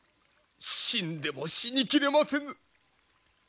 死んでも死にきれませぬ！